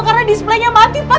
karena displaynya mati pak